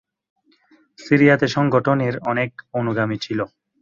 সিরিয়াতে সংগঠনের অনেক অনুগামী ছিল।